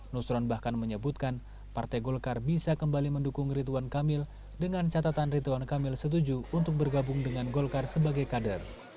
nusron bahkan menyebutkan partai golkar bisa kembali mendukung ridwan kamil dengan catatan rituan kamil setuju untuk bergabung dengan golkar sebagai kader